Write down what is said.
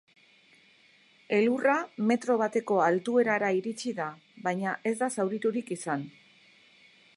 Elurra metro bateko altuerara iritsi da, baina ez da zauriturik izan.